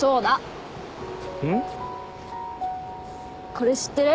これ知ってる？